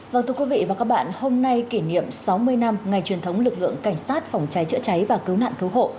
vâng thưa quý vị và các bạn hôm nay kỷ niệm sáu mươi năm ngày truyền thống lực lượng cảnh sát phòng cháy chữa cháy và cứu nạn cứu hộ